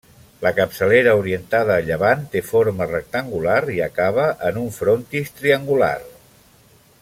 La capçalera orientada a llevant té forma rectangular i acaba en un frontis triangular.